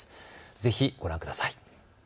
ぜひご覧ください。